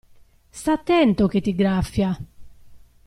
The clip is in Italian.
Sta' attento che ti graffia!